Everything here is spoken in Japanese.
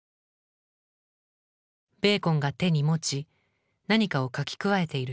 ベーコンが手に持ち何かを描き加えている写真。